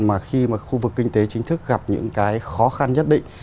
mà khi mà khu vực kinh tế chính thức gặp những cái khó khăn nhất định